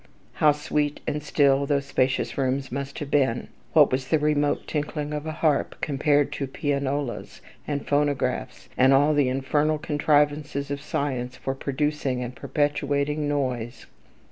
How sweet and still those spacious rooms must have been! What was the remote tinkling of a harp, compared to pianolas, and phonographs, and all the infernal contrivances of science for producing and perpetuating noise?